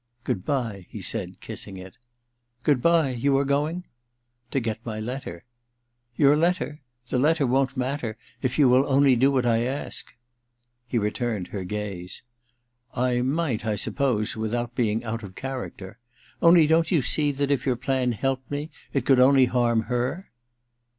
* Good bye,' he said, kissing it. * Good bye ? You are going ?'* To get my letter.* *Your letter? The letter won't matter, if you will only do what I ask.' He returned her gaze. * I might, I suppose, without being out of character. Only, don't a8o THE DILETTANTE you see that if your plan helped me it could only harm her